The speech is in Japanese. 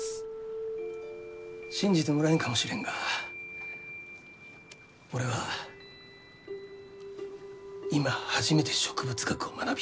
信じてもらえんかもしれんが俺は今初めて植物学を学びたいと。